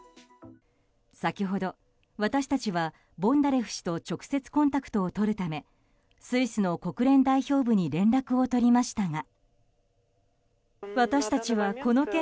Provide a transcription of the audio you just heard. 先ほど私たちはボンダレフ氏と直接コンタクトをとるためスイスの国連代表部へ連絡を取りましたが。